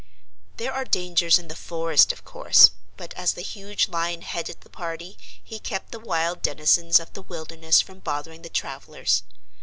There are dangers in the forest, of course, but as the huge Lion headed the party he kept the wild denizens of the wilderness from bothering the travelers.